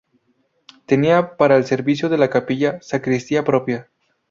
Tenía, para el servicio de la capilla, sacristía propia.